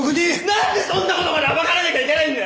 何でそんなことまで暴かれなきゃいけないんだよ！